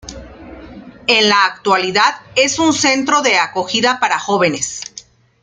En la actualidad es un centro de acogida para jóvenes.